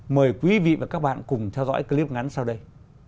mời quý vị và các bạn cùng theo dõi clip ngắn sau đây